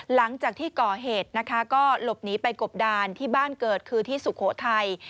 หลังจากที่ก่อเหตุนะคะก็หลบหนีไปกบดานที่บ้านเกิดคือที่สุโขทัย